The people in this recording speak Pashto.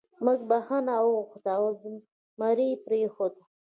موږک بخښنه وغوښته او زمري پریښود.